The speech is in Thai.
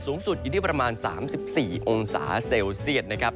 สูงสุดอยู่ที่ประมาณ๓๔องศาเซลเซียตนะครับ